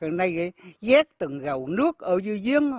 hiện nay ghét từng gầu nước ở dưới giếng